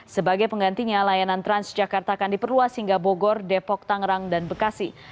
sebagai penggantinya layanan transjakarta akan diperluas hingga bogor depok tangerang dan bekasi